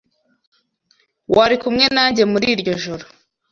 Wari kumwe nanjye muri iryo joro.